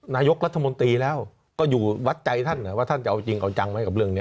นายกรัฐมนตรีแล้วก็อยู่วัดใจท่านว่าท่านจะเอาจริงเอาจังไหมกับเรื่องนี้